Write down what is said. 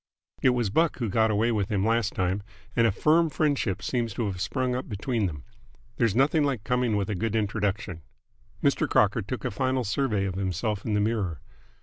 It was Buck who got away with him last time, and a firm friendship seems to have sprung up between them. There's nothing like coming with a good introduction." Mr. Crocker took a final survey of himself in the mirror.